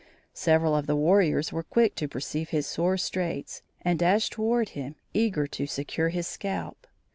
Several of the warriors were quick to perceive his sore straits, and dashed toward him, eager to secure his scalp.